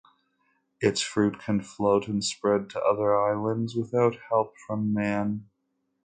Its fruit can float and spread to other islands without help from man.